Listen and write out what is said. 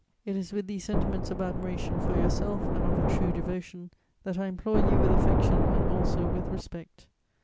"It is with these sentiments of admiration for yourself and of a true devotion, that I implore you with affection and also with respect.